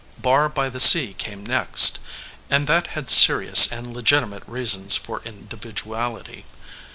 Barr by the Sea came next, and that had serious and legitimate reasons for individuality.